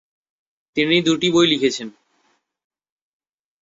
তিনি দুটি বই লিখেছেন।